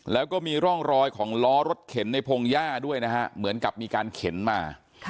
แล้วก็มีร่องรอยของล้อรถเข็นในพงหญ้าด้วยนะฮะเหมือนกับมีการเข็นมา